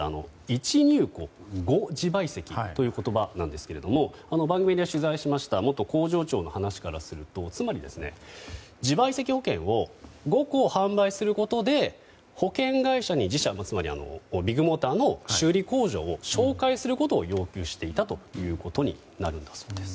１入庫５自賠責という言葉ですが番組で取材しました元工場長の話によりますとつまり、自賠責保険を５個販売することで保険会社にビッグモーターの修理工場を紹介することを要求していたということになるんだそうです。